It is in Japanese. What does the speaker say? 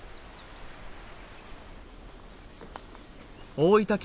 大分県